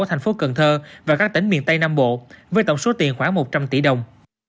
thành phố cần thơ và các tỉnh miền tây nam bộ với tổng số tiền khoảng một trăm linh tỷ đồng